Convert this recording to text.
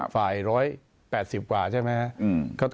๑๘๐กว่าใช่ไหมครับ